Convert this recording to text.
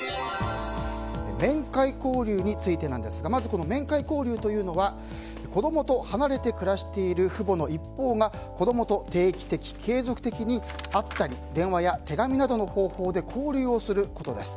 面会交流についてですがまず面会交流というのは子供と離れて暮らしている父母の一方が子供と定期的・継続的に会ったり電話や手紙などの方法で交流をすることです。